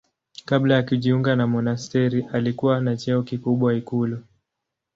Kabla ya kujiunga na monasteri alikuwa na cheo kikubwa ikulu.